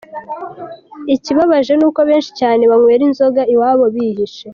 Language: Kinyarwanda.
Ikibabaje nuko benshi cyane banywera inzoga iwabo, bihishe.